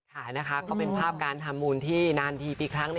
ค่ะนะคะก็เป็นภาพการทำบุญที่นานทีปีครั้ง